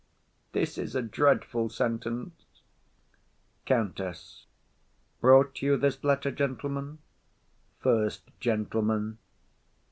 _ This is a dreadful sentence. COUNTESS. Brought you this letter, gentlemen? FIRST GENTLEMAN.